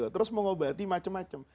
terus mengobati macam macam